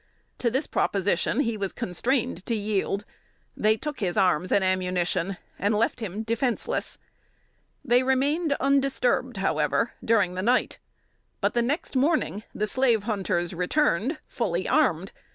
To this proposition he was constrained to yield. They took his arms and ammunition, and left him defenseless. They remained undisturbed, however, during the night; but the next morning the slave hunters returned, fully armed.